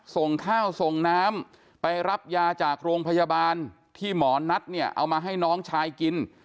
ส่งข้าวส่งน้ำไปรับยาจากโรงพยาบาลที่หมอนัทเนี่ยเอามาให้น้องชายกิน